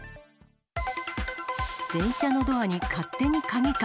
電車のドアに勝手に鍵か。